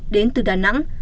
đến từ đà nẵng